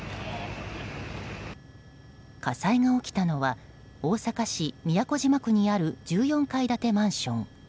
火災が起きたのは大阪市都島区にある１４階建てマンション。